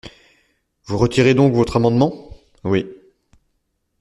Vous retirez donc votre amendement ? Oui.